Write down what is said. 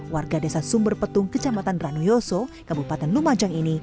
warga desa sumberpetung kecamatan ranuyoso kabupaten lumajang ini